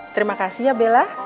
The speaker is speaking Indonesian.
terima kasih ya bella